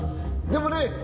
でもね